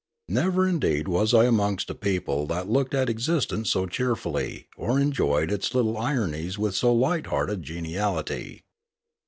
Never indeed was I amongst a people that looked at existence so cheerfully or enjoyed its little ironies with so light hearted a geniality.